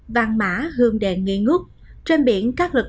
vàng mã hương đèn nghề ngút